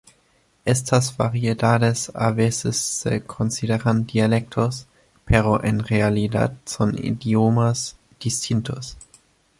Estas variedades a veces se consideran dialectos, pero en realidad son idiomas distintos.